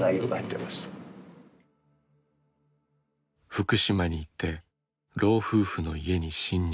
「福島に行って老夫婦の家に侵入。